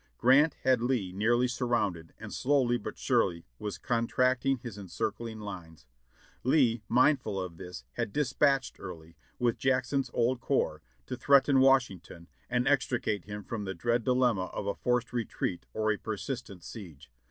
Grant had Lee nearly surrounded and slowly but surely was contracting his encircling lines. Lee, mindful of this, had dis patched Early, with Jackson's old corps, to threaten Washington, and extricate him from the dread dilemma of a forced retreat or a persistent siege.